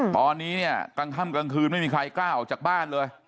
ตอนนี้เนี่ยกลางค่ำกลางคืนไม่มีใครกล้าออกจากบ้านเลย